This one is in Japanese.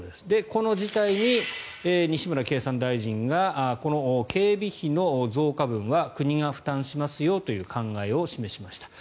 この事態に西村経産大臣が警備費の増加分は国が負担しますよという考えを示しました。